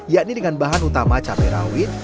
yakni dengan bahan utama cabai rawit